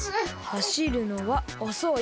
「はしるのはおそい」。